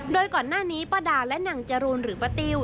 โดยก่อนหน้านี้ปะดาห์และหนังจรุนหรือปะติว